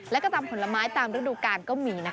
แล้วก็ตามผลไม้ตามฤดูกาลก็มีนะคะ